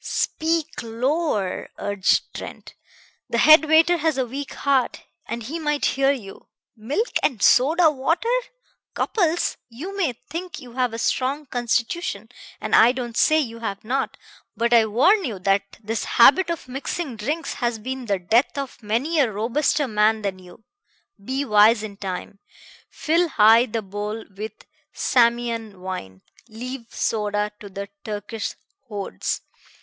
"Speak lower!" urged Trent. "The head waiter has a weak heart, and he might hear you. Milk and soda water! Cupples, you may think you have a strong constitution, and I don't say you have not, but I warn you that this habit of mixing drinks has been the death of many a robuster man than you. Be wise in time. Fill high the bowl with Samian wine; leave soda to the Turkish hordes.